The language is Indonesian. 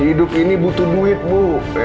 hidup ini butuh duit bu